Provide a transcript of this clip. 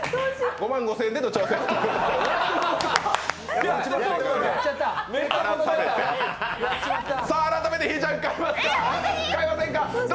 ５万５０００円で後ほど。